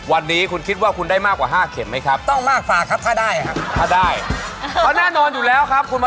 วันนี้คุณคิดว่าคุณได้มากกว่า๕เข็มไหมครับ